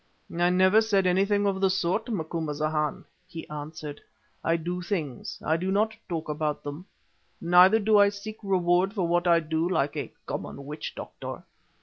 "I never said anything of the sort, Macumazahn," he answered. "I do things, I do not talk about them. Neither do I seek reward for what I do like a common witch doctor.